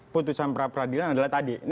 putusan peradilan adalah tadi